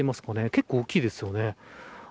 結構、大きいですよね。